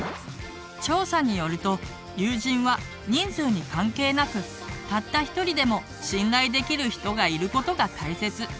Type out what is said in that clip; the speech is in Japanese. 調査によると友人は人数に関係なくたった一人でも信頼できる人がいることが大切。